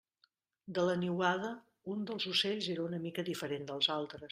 De la niuada, un dels ocells era una mica diferent dels altres.